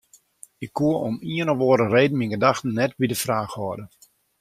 Ik koe om ien of oare reden myn gedachten net by de fraach hâlde.